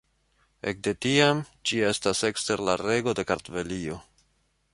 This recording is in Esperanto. Ekde tiam, ĝi estas ekster la rego de Kartvelio.